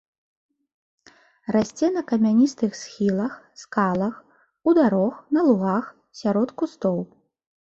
Расце на камяністых схілах, скалах, у дарог, на лугах, сярод кустоў.